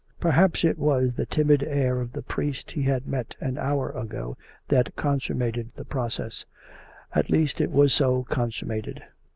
Perhaps it was the timid air of the priest he had met an hour ago that consummated the process. At least it was so consummated.